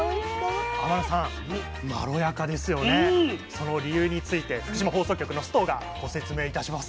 その理由について福島放送局の須藤がご説明いたします。